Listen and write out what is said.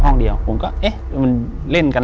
อยู่ที่แม่ศรีวิรัยิลครับ